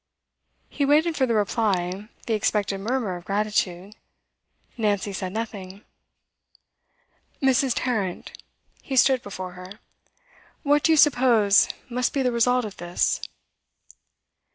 He waited for the reply, the expected murmur of gratitude. Nancy said nothing. 'Mrs. Tarrant,' he stood before her, 'what do you suppose must be the result of this?